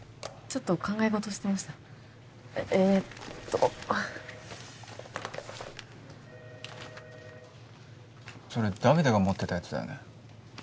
ちょっと考えごとしてましたえーっとそれダビデが持ってたやつだよね？